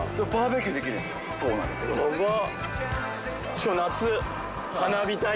しかも夏。